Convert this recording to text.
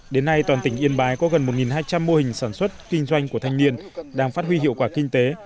đến nay toàn tỉnh yên bái có gần một hai trăm linh mô hình sản xuất kinh doanh của thanh niên đang phát huy hiệu quả kinh tế